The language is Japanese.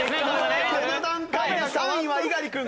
この段階で３位は猪狩君確定。